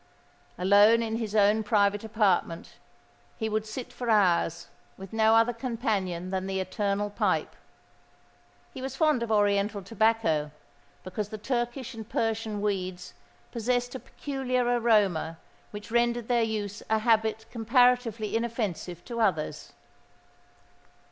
Alone in his own private apartment, he would sit for hours with no other companion than the eternal pipe. He was fond of oriental tobacco, because the Turkish and Persian weeds possessed a peculiar aroma which rendered their use a habit comparatively inoffensive to others.